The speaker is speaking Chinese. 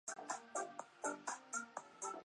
给他一个小盒子